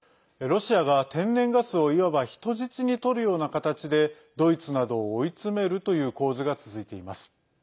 ロシアが天然ガスをいわば人質にとるような形でドイツなどを追い詰めるという構図が続いています。